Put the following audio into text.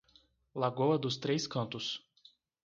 Lagoa dos Três Cantos